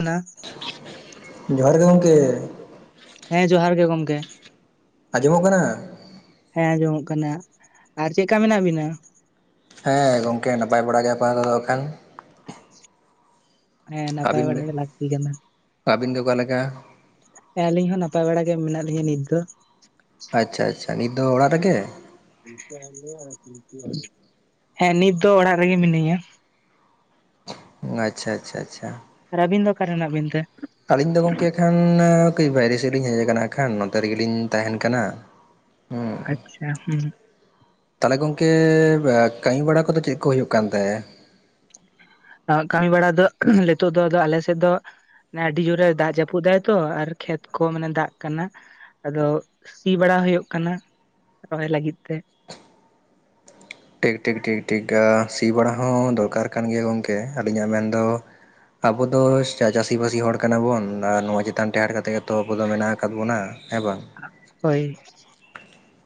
ᱚᱱᱟ ᱡᱚᱦᱟᱨ ᱜᱮ ᱜᱝᱢᱠᱮ᱾ ᱦᱮᱸ, ᱡᱚᱦᱟᱨ ᱜᱮ ᱜᱚᱢᱠᱮ᱾ ᱟᱸᱡᱚᱢᱚᱜ ᱠᱟᱱᱟ? ᱦᱮᱸ, ᱟᱸᱡᱚᱢᱚᱜ ᱠᱟᱱᱟ᱾ ᱟᱨ ᱪᱮᱜᱠᱟ ᱢᱮᱱᱟᱜ ᱵᱤᱱᱟ? ᱦᱮᱸ, ᱜᱚᱝᱠᱮ ᱱᱟᱯᱟᱭ ᱵᱟᱲᱟ ᱜᱮ [unintelligible] ᱠᱷᱟᱱ᱾ ᱦᱮᱸ ᱱᱟᱯᱟᱭ ᱵᱟᱲᱟ ᱜᱮ ᱞᱟᱠᱛᱤ ᱠᱟᱱᱟ᱾ ᱟᱵᱤᱱ ᱜᱮ ᱚᱠᱟ ᱞᱮᱠᱟ? ᱟᱹᱞᱤᱧ ᱦᱚᱸ ᱱᱟᱯᱟᱭ ᱵᱟᱲᱟ ᱜᱮ ᱢᱮᱱᱟᱜ ᱞᱤᱧᱟᱹ ᱱᱤᱛ ᱫᱚ᱾ ᱟᱪᱪᱷᱟ ᱟᱪᱪᱷᱟ ᱱᱤᱛ ᱫᱚ ᱚᱲᱟᱜ ᱨᱮᱜᱮ? [inaudible] ᱦᱮᱸ ᱱᱤᱛ ᱫᱚ ᱚᱲᱟᱜ ᱨᱮᱜᱮ ᱢᱤᱱᱟᱹᱧᱟ᱾ ᱩᱸ ᱟᱪᱪᱷᱟ ᱟᱪᱪᱷᱟ ᱟᱪᱪᱷᱟ᱾ ᱟᱨ ᱟᱹᱵᱤᱱ ᱫᱚ ᱚᱠᱟ ᱨᱮ ᱦᱮᱱᱟᱜ ᱵᱤᱱ ᱛᱮ? ᱟᱹᱞᱤᱧ ᱫᱚ ᱜᱚᱝᱠᱮ ᱠᱷᱟᱱ ᱟ ᱠᱟᱹᱡ ᱵᱟᱭᱨᱮ ᱥᱮᱫ ᱞᱤᱧ ᱦᱮᱡ ᱟᱠᱟᱱᱟ ᱟᱠᱷᱟᱱ ᱱᱚᱛᱮ ᱨᱮᱜᱮᱞᱤᱧ ᱛᱟᱦᱮᱸᱱ ᱠᱟᱱᱟ᱾ ᱦᱩᱸ᱾ ᱟᱪᱪᱷᱟ ᱦᱩᱸ ᱛᱟᱦᱚᱞᱮ ᱜᱚᱝᱠᱮ ᱵᱟ ᱠᱟᱹᱢᱤ ᱵᱟᱲᱟ ᱠᱚᱫᱚ ᱪᱮᱫ ᱠᱚ ᱦᱩᱭᱩᱜ ᱠᱟᱱ ᱛᱮ? ᱟᱜ ᱠᱷᱟᱱ ᱵᱟᱲᱟ ᱫᱚ ᱱᱤᱛᱚᱜ ᱫᱚ ᱟᱞᱮ ᱥᱮᱫ ᱫᱚ ᱚᱱᱮ ᱟᱹᱰᱤ ᱡᱳᱨᱮ ᱫᱟᱜ ᱡᱟᱹᱯᱩᱫ ᱫᱟᱭ ᱛᱚ ᱟᱨ ᱠᱷᱮᱛ ᱠᱚ ᱢᱟᱱᱮ ᱫᱟᱜ ᱠᱟᱱᱟ᱾ ᱟᱫᱚ ᱥᱤ ᱵᱟᱲᱟ ᱦᱳᱭᱳᱜ ᱠᱟᱱᱟ ᱨᱚᱦᱚᱭ ᱞᱟᱹᱜᱤᱫ ᱛᱮ᱾ ᱴᱤᱠ ᱴᱤᱠ ᱴᱤᱠ ᱥᱤ ᱵᱟᱲᱟ ᱦᱚᱸ ᱫᱚᱨᱠᱟᱨ ᱠᱟᱱ ᱜᱮᱭᱟ ᱜᱚᱢᱠᱮ ᱟᱹᱞᱤᱧᱟᱜ ᱢᱮᱱᱫᱚ, ᱟᱵᱚ ᱫᱚ ᱪᱟ-ᱪᱟᱹᱥᱤᱼᱵᱟᱹᱥᱤ ᱦᱚᱲ ᱠᱟᱱᱟ ᱵᱚᱱ ᱟᱨ ᱱᱚᱣᱟ ᱪᱮᱛᱟᱱ ᱴᱮᱦᱟᱰ ᱠᱟᱛᱮ ᱜᱮ ᱛᱚ ᱠᱚᱫᱚ ᱢᱮᱱᱟᱜ ᱟᱠᱟᱫ ᱵᱚᱱᱟ ᱦᱮᱸ ᱵᱟᱝ? ᱦᱳᱭ